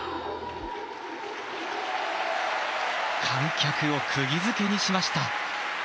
観客を釘づけにしました。